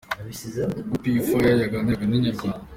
Ubwo P Fire yaganiraga na Inyarwanda.